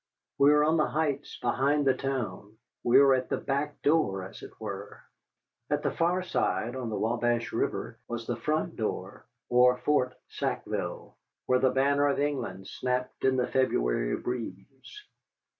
We were on the heights behind the town, we were at the back door, as it were. At the far side, on the Wabash River, was the front door, or Fort Sackville, where the banner of England snapped in the February breeze.